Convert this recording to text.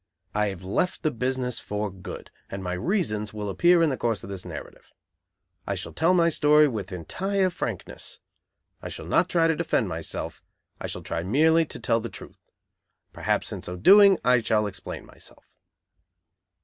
I have left the business for good, and my reasons will appear in the course of this narrative. I shall tell my story with entire frankness. I shall not try to defend myself. I shall try merely to tell the truth. Perhaps in so doing I shall explain myself.